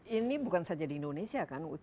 ini bukan saja di indonesia kan